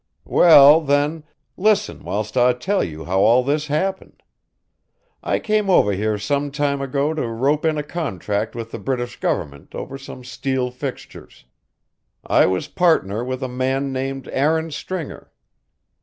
"Well, then, listen whilst I tell you how all this happened. I came over here some time ago to rope in a contract with the British Government over some steel fixtures. I was partner with a man named Aaron Stringer.